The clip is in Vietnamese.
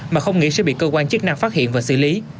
mà không nghĩ sẽ bị cơ quan chức năng phát hiện và xử lý